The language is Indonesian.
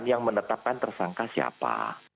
yang menetapkan tersangka siapa